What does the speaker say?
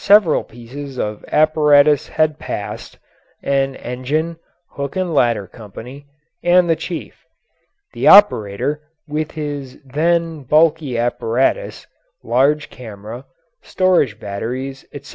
Several pieces of apparatus had passed an engine, hook and ladder company, and the chief; the operator, with his (then) bulky apparatus, large camera, storage batteries, etc.